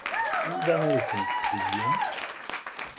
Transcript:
Anda ay tent-tesbezgem?